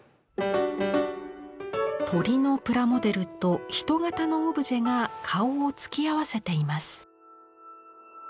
鳥のプラモデルと人型のオブジェが顔を突き合わせています。